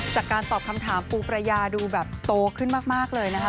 จากการตอบคำถามปูประยาดูแบบโตขึ้นมากเลยนะคะ